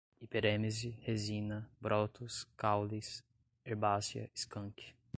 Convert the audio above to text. hiperêmese, resina, brotos, caules, herbácea, skunk